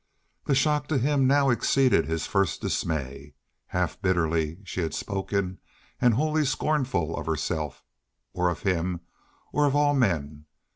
The shock to him now exceeded his first dismay. Half bitterly she had spoken, and wholly scornful of herself, or of him, or of all men.